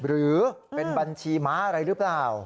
หรือเป็นบัญชีม้าอะไรหรือเปล่า